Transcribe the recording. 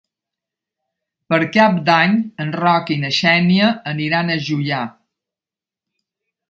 Per Cap d'Any en Roc i na Xènia aniran a Juià.